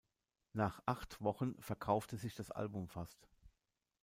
Nach acht Wochen verkaufte sich das Album fast.